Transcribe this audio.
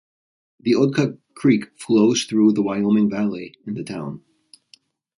The Oatka Creek flows through the Wyoming Valley in the town.